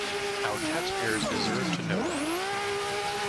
Our taxpayers deserve to know that.